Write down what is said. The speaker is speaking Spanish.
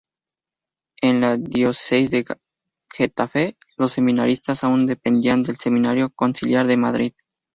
En la diócesis de Getafe, los seminaristas aun dependían del Seminario Conciliar de Madrid.